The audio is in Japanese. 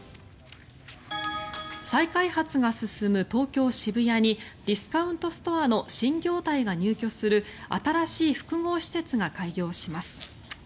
再開発が進む東京・渋谷にディスカウントストアの新業態が入居する新しい複合施設が開設します。